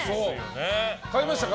買いましたか？